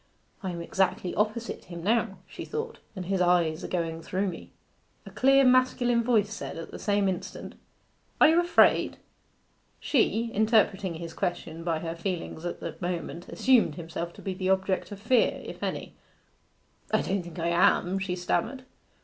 'I am exactly opposite him now,' she thought, 'and his eyes are going through me.' A clear masculine voice said, at the same instant 'Are you afraid?' She, interpreting his question by her feelings at the moment, assumed himself to be the object of fear, if any. 'I don't think I am,' she stammered.